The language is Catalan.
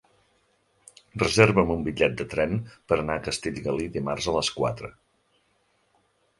Reserva'm un bitllet de tren per anar a Castellgalí dimarts a les quatre.